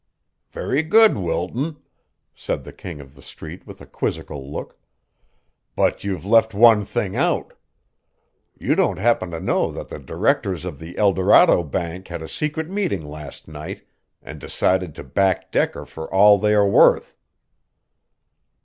"Very good, Wilton," said the King of the Street with a quizzical look. "But you've left one thing out. You don't happen to know that the directors of the El Dorado Bank had a secret meeting last night and decided to back Decker for all they are worth."